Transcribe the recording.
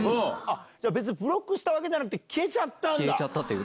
じゃ、別にブロックしたわけじゃなくて、消えちゃったんだ？